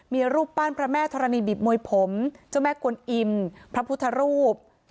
มีรูปปั้นพระแม่ธรณีบิบมวยผมเจ้าแม่กวนอิมพระพุทธรูป